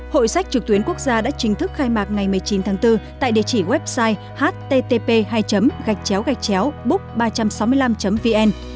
hội sách trực tuyến quốc gia đã chính thức khai mạc ngày một mươi chín tháng bốn tại địa chỉ website http book ba trăm sáu mươi năm vn